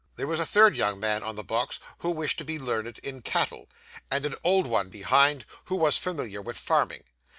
There was a third young man on the box who wished to be learned in cattle; and an old one behind, who was familiar with farming.